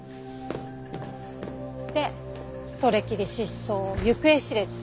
でそれきり失踪行方知れず。